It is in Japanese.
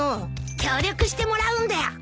協力してもらうんだよ。